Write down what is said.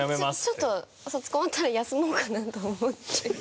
ちょっと卒コン終わったら休もうかなと思って。